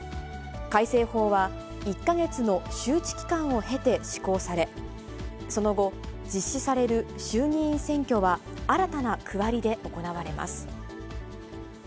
改正法は１か月の周知期間を経て施行され、その後、実施される衆議院選挙は新たな区割りで行われます。